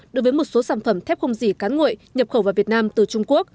đối với một số sản phẩm thép không dỉ cắn nguội nhập khẩu vào việt nam từ trung quốc